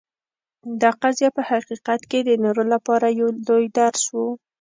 دا قضیه په حقیقت کې د نورو لپاره یو لوی درس و.